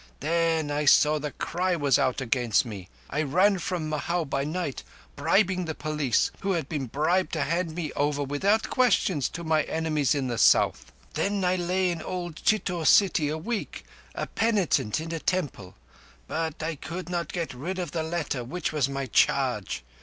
Then I saw the cry was out against me. I ran from Mhow by night, bribing the police, who had been bribed to hand me over without question to my enemies in the South. Then I lay in old Chitor city a week, a penitent in a temple, but I could not get rid of the letter which was my charge.